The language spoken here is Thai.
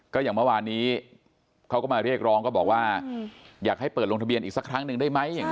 ก็อย่างเมื่อวานนี้เขาก็มาเรียกร้องก็บอกว่าอยากให้เปิดลงทะเบียนอีกสักครั้งหนึ่งได้ไหม